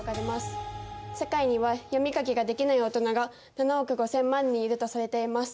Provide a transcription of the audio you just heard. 世界には読み書きができない大人が７億５，０００万人いるとされています。